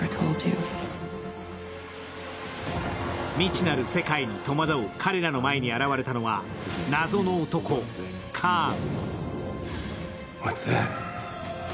未知なる世界に戸惑う彼らの前に現れたのは謎の男・カーン。